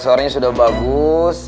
suaranya sudah bagus